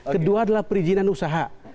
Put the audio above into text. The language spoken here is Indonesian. kedua adalah perizinan usaha